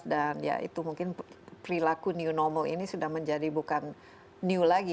dan ya itu mungkin perilaku new normal ini sudah menjadi bukan new lagi